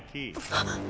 あっ！